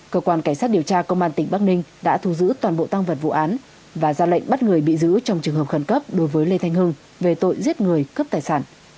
cơ quan cảnh sát điều tra công an tỉnh bắc ninh đã thu giữ toàn bộ tăng vật vụ án và ra lệnh bắt người bị giữ trong trường hợp khẩn cấp đối với lê thanh hưng về tội giết người cướp tài sản